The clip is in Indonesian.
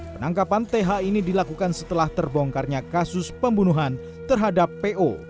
penangkapan th ini dilakukan setelah terbongkarnya kasus pembunuhan terhadap po